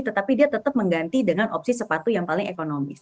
tetapi dia tetap mengganti dengan opsi sepatu yang paling ekonomis